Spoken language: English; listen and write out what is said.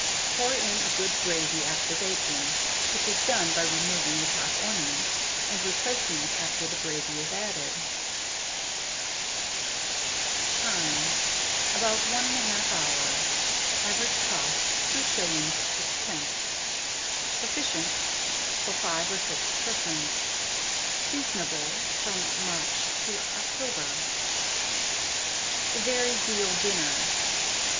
Pour in a good gravy after baking, which is done by removing the top ornament, and replacing it after the gravy is added. Time. About 1 1/2 hour. Average cost, 2s. 6d. Sufficient for 5 or 6 persons. Seasonable from March to October. A VERY VEAL DINNER.